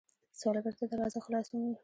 سوالګر ته دروازه خلاصون وي